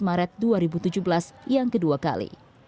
maret dua ribu tujuh belas yang kedua kali